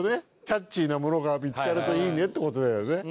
キャッチーなものが見付かるといいねって事だよね。